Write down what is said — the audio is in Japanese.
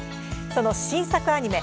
その新作アニメ